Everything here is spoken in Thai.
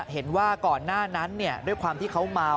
เห็นว่าก่อนหน้านั้นด้วยความที่เขาเมา